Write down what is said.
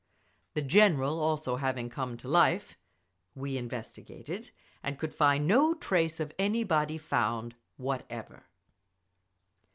The General having also come to life, we investigated, and could find no trace of any body found whatever….